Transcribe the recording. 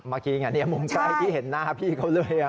เมื่อกี้มุมใกล้ที่เห็นหน้าพี่เขาเลย